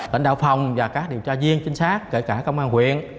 bệnh đạo phòng và các điều tra viên chính xác kể cả công an huyện